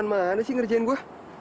teman mana sih ngerjain gua